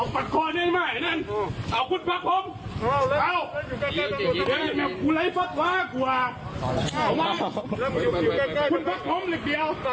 จากนั้นขี่รถจักรยานยนต์จากไปค่ะไปดูคลิปภาพเหตุการณ์นี้กันก่อนเลยค่ะ